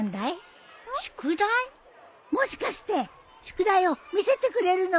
もしかして宿題を見せてくれるのかい？